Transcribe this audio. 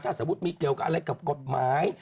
ถ้าสมมุติมีเกี่ยวกับอะไรกับกฎหมาย